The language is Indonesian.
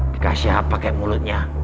dikasih apa kek mulutnya